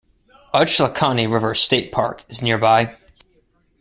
Ochlockonee River State Park is nearby.